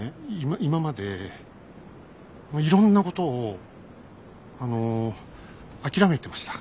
今今までいろんなことをあの諦めてました。